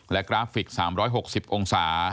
และกราฟิก๓๖๐องศา